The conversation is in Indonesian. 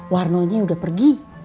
warnonya udah pergi